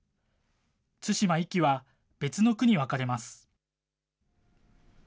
対馬、壱岐は別の区に分かれます。